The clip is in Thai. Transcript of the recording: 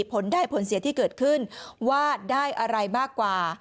ผลได้ผลเสียที่เกิดขึ้นว่าได้อะไรมากกว่า